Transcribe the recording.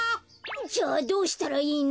じゃあどうしたらいいの？